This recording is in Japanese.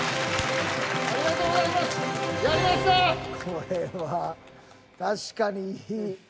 これは確かに。